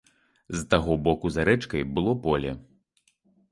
З таго боку за рэчкай было поле.